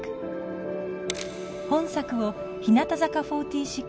本作を日向坂４６